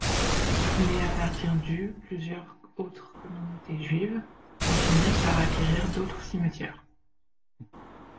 Mais à partir du plusieurs autres communautés juives font finir par acquérir d'autres cimetières.